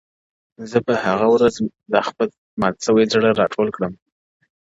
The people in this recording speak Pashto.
زه به په هغه ورځ دا خپل مات سوی زړه راټول کړم;